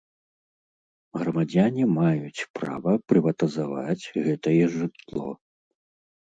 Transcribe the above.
Грамадзяне маюць права прыватызаваць гэтае жытло.